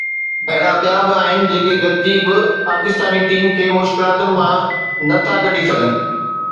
اهڙا ٻيا به آهن جيڪي گڏجي به پاڪستاني ٽيم کي مشڪلاتن مان نه ٿا ڪڍي سگهن.